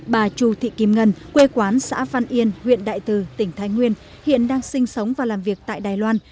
bà chu thị kim ngân quê quán xã văn yên huyện đại từ tỉnh thái nguyên hiện đang sinh sống và làm việc tại đài loan